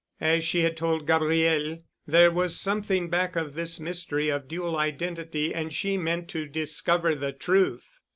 As she had told Gabriel, there was something back of this mystery of dual identity, and she meant to discover the truth.